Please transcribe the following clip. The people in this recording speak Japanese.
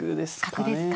角ですか。